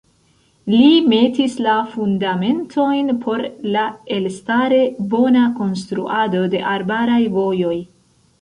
Li metis la fundamentojn por la elstare bona konstruado de arbaraj vojoj.